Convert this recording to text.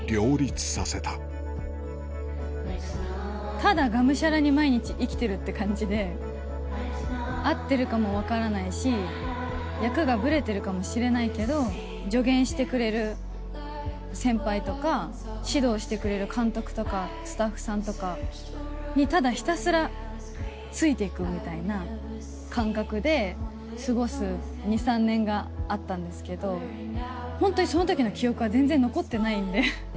ただがむしゃらに毎日生きてるって感じで、合ってるかも分からないし、役がぶれてるかもしれないけど、助言してくれる先輩とか、指導してくれる監督とかスタッフさんとかに、ただひたすらついていくみたいな感覚で過ごす２、３年があったんですけど、本当にそのときの記憶が全然残ってないんで。